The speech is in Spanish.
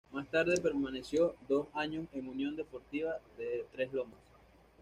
Más tarde permaneció dos años en Unión Deportiva de Tres Lomas.